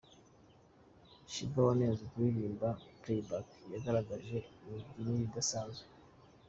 Sheebah wanenzwe kuririmba ’Playback’, yagaragaje imibyinire idasanzwe.